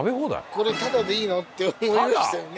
これタダでいいの？って思いましたよね。